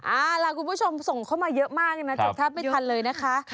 อะละกลุ่มผู้ชมส่งเข้ามาเยอะมากที่นอกถ้าไปทานละนะคะ